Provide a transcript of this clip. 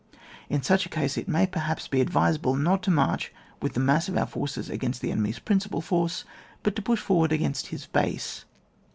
In such a case it may perhaps be advisable not to march with the mass of our forces against the enemy's principal force, but to push forward against his base.